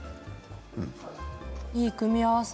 いい組み合わせ。